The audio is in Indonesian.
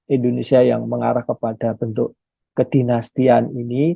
indonesia yang mengarah kepada bentuk kedinastian ini